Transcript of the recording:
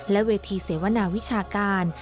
และเวทีเสวนาวิชาการ